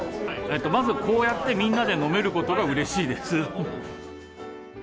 まず、こうやってみんなで飲めることがうれしいです。